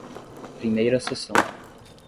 Primeira Seção